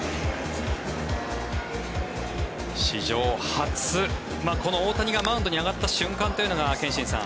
史上初、この大谷がマウンドに上がった瞬間というのが憲伸さん